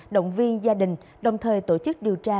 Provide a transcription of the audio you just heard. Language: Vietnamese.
động viên gia đình đồng thời tổ chức điều tra